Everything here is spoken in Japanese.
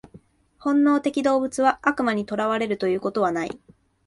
本能的動物は悪魔に囚われるということはない。